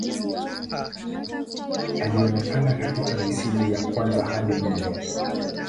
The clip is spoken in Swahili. Alionekana katika misimu ya kwanza hadi minne.